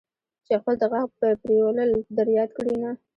چې خپل د غاښ پرېولل در یاد کړي، نه.